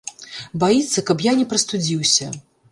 Баіцца, каб я не прастудзіўся.